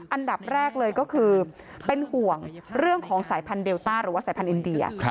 อันดับแรกเลยก็คือเป็นห่วงเรื่องของสายพันธุเดลต้าหรือว่าสายพันธุอินเดีย